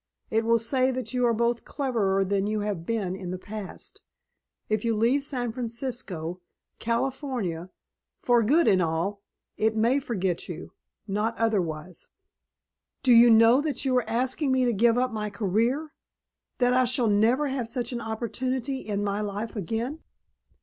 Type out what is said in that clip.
It will say that you are both cleverer than you have been in the past. If you leave San Francisco California for good and all it may forget you; not otherwise." "Do you know that you are asking me to give up my career? That I shall never have such an opportunity in my life again?